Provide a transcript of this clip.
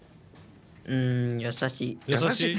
うん優しい。